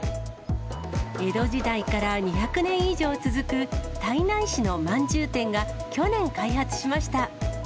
江戸時代から２００年以上続く胎内市のまんじゅう店が去年開発しました。